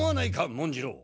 文次郎。